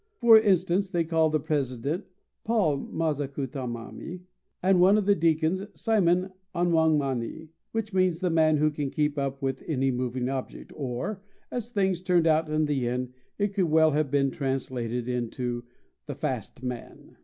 For instance, they called the president, Paul Ma za cu ta ma mi, and one of the deacons, Simon Ana wang ma ni, which means "The man who can keep up with any moving object;" or, as things turned out in the end, it could well have been translated into the "Fast Man."